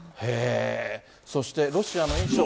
そしてロシアの印象。